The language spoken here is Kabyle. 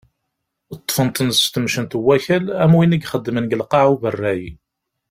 Ṭṭfen-ten s temcent n wakal am win i ixeddmen deg lqaε n uberray.